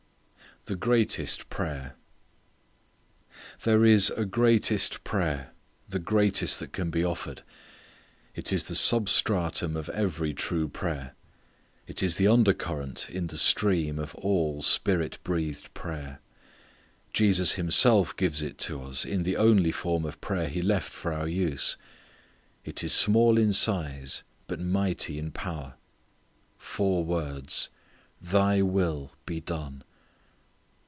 The Greatest Prayer. There is a greatest prayer, the greatest that can be offered. It is the substratum of every true prayer. It is the undercurrent in the stream of all Spirit breathed prayer. Jesus Himself gives it to us in the only form of prayer He left for our use. It is small in size, but mighty in power. Four words "Thy will be done."